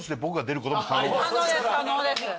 可能です可能です。